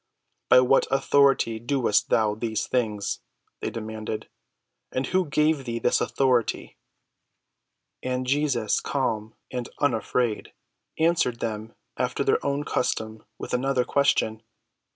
"By what authority doest thou these things?" they demanded. "And who gave thee this authority?" And Jesus, calm and unafraid, answered them after their own custom with another question.